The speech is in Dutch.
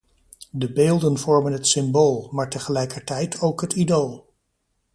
De beelden vormen het symbool, maar tegelijkertijd ook het idool.